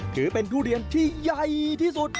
ถือเป็นทุเรียนที่ใหญ่ที่สุด